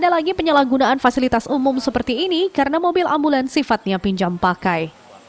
salah gunaan fasilitas umum seperti ini karena mobil ambulan sifatnya pinjam pakai